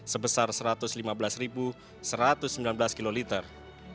sebesar satu ratus lima belas satu ratus sembilan belas kiloliter